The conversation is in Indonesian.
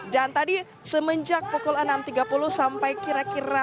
dan tadi semenjak pukul enam tiga puluh sampai kira kira